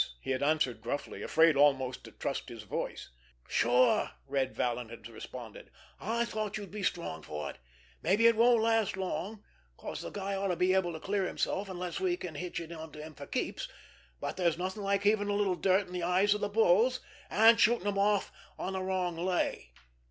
he had answered gruffly, afraid almost to trust his voice. "Sure!" Red Vallon had responded. "I thought you'd be strong for it! Mabbe it won't last long, 'cause the guy ought to be able to clear himself unless we can hitch it onto him for keeps, but there's nothing like heaving a little dirt in the eyes of the bulls, and shooting 'em off on the wrong lay.